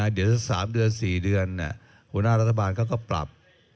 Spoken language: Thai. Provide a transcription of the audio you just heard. เดี๋ยวสัก๓๔เดือนหัวหน้ารัฐบาลก็ปรับ